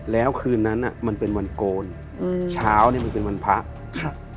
แล้วคืนนั้นมันเป็นวันโกณษ์เช้ามันเป็นวันพัฒน์